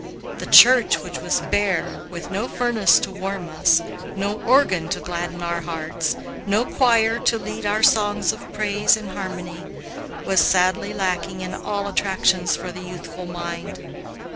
The church, which was bare, with no furnace to warm us, no organ to gladden our hearts, no choir to lead our songs of praise in harmony, was sadly lacking in all attractions for the youthful mind.